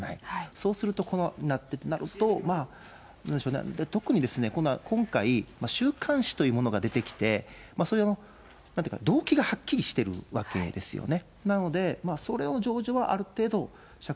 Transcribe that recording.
そうすると、こうなると、特にですね、今回、週刊誌というものが出てきて、それのなんていうか、動機がはっきりしているわけですよね。